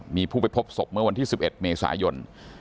มีผู้ไปพบศพเมื่อวันที่๑๑เมษายน